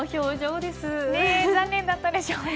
残念だったでしょうね。